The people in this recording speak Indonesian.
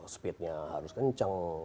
speednya harus kencang